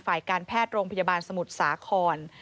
ฝ่ายการแพทย์โรงพยาบาลสมุทรสาคร